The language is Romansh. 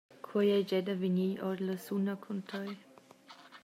Quei ei gie da vegnir ord la suna cun tei.